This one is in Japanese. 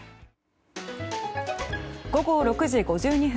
午後６時５２分。